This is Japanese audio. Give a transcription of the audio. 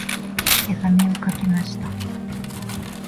手紙を書きました。